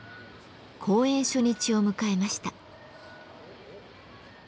公演初日を迎えました。